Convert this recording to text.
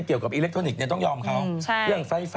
ที่เยอรมันน่ะยังไม่๑๐๐